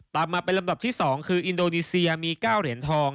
ตามมาเป็นลำดับที่๒คืออินโดนีเซียมี๙เหรียญทอง